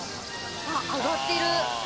あっ揚がってる。